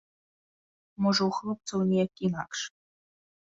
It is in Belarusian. Можа ў хлопцаў неяк інакш.